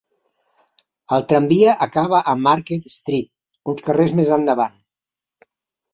El tramvia acaba a Market Street, uns carrers més endavant.